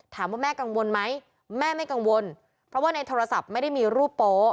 แม่กังวลไหมแม่ไม่กังวลเพราะว่าในโทรศัพท์ไม่ได้มีรูปโป๊